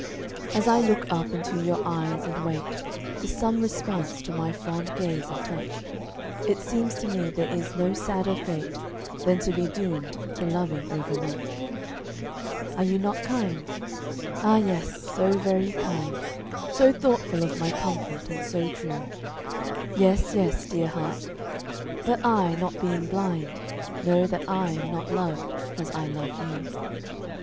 As I look up into your eyes and wait For some response to my fond gaze and touch, It seems to me there is no sadder fate Than to be doomed to loving overmuch. Are you not kind? Ah, yes, so very kind So thoughtful of my comfort, and so true. Yes, yes, dear heart; but I, not being blind, Know that I am not loved as I love you.